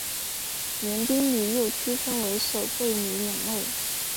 联兵旅又区分为守备旅两类。